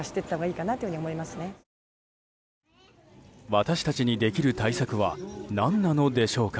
私たちにできる対策は何なのでしょうか。